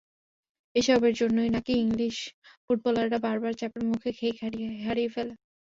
এসবের জন্যই নাকি ইংলিশ ফুটবলাররা বারবার চাপের মুখে খেই হারিয়ে ফেলে।